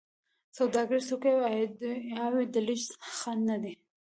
سوداګریز توکي او ایډیاوو د لېږد خنډ نه دی.